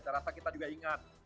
saya rasa kita juga ingat